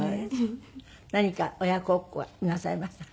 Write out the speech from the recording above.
何か親孝行はなさいましたか？